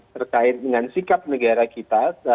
terkait dengan sikap negara kita